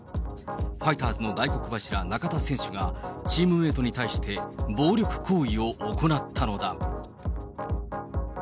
ファイターズの大黒柱、中田選手がチームメートに対して暴力行為を行ったのだ。